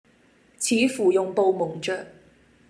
似乎用布蒙着；